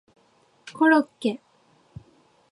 コロッケ